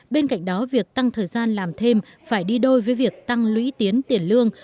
bên cạnh đó việc tăng thời gian làm thêm phải đi đôi với việc tăng lũy tiến tiền lương